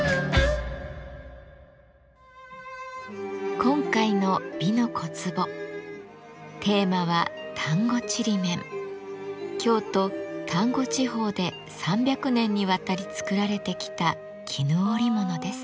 今回の「美の小壺」テーマは京都丹後地方で３００年にわたり作られてきた絹織物です。